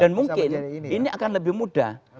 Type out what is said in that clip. dan mungkin ini akan lebih mudah